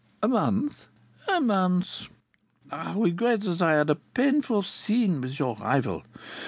"A month?" "A month. I regret that I had a painful scene with your rival.